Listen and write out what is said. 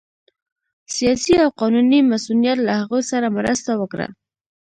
سیاسي او قانوني مصونیت له هغوی سره مرسته وکړه